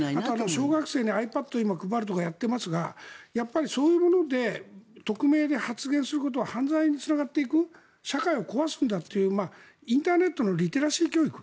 小学生にｉＰａｄを配るとかやってますがやっぱりそういうもので匿名で発言することは犯罪につながっていく社会を壊すんだというインターネットのリテラシー教育。